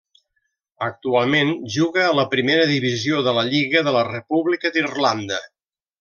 Actualment juga a la primera divisió de la lliga de la República d'Irlanda.